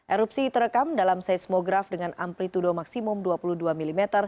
erupsi terekam dalam seismograf dengan amplitude maksimum dua puluh dua mm